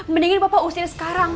mendingin papa usir sekarang